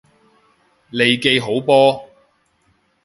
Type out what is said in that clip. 利記好波！